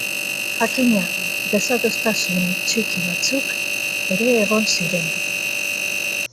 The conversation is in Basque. Jakina, desadostasun txiki batzuk ere egon ziren.